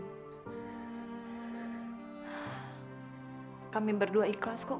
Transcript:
sekarang bekas ter custard